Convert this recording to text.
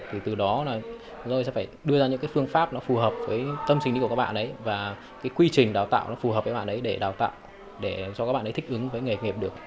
thì từ đó tôi sẽ phải đưa ra những phương pháp phù hợp với tâm trình của các bạn ấy và quy trình đào tạo phù hợp với các bạn ấy để đào tạo để cho các bạn ấy thích ứng với nghề nghiệp được